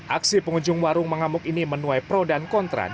aksi pengunjung warung mengamuk ini menuai pro dan kontra